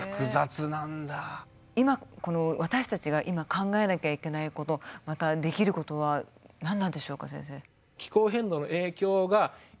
今こう私たちが今考えなきゃいけないことまたできることは何なんでしょうか先生。